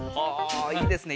いいですね